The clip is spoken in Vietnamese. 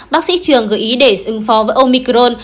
bác sĩ trường gửi ý để ứng phó với omicron